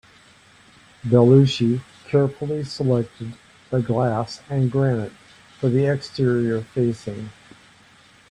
Belluschi carefully selected the glass and granite for the exterior facing.